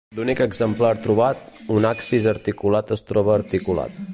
L'únic exemplar trobat, un axis articulat es troba articulat.